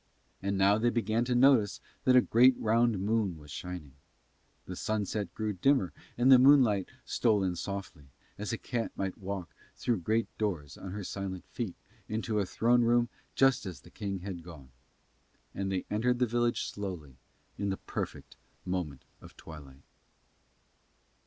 And now they began to notice that a great round moon was shining. The sunset grew dimmer and the moonlight stole in softly, as a cat might walk through great doors on her silent feet into a throne room just as the king had gone: and they entered the village slowly in the perfect moment of twilight.